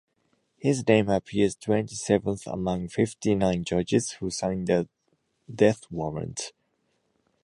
His name appears twenty-seventh among fifty nine judges who signed the death warrant.